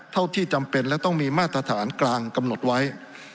เท่าที่จำเป็นและต้องมีมาตรฐานกลางกำหนดไว้